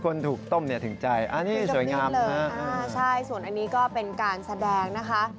คนถูกต้มเนี่ยถึงใจอันนี้สวยงามเลยอ่าใช่ส่วนอันนี้ก็เป็นการแสดงนะคะ